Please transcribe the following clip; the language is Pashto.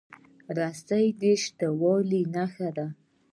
رسۍ د شته والي نښه ده.